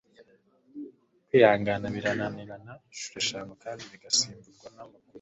kwihangana birananirana inshuro eshanu kandi bigasimburwa na makumyabiri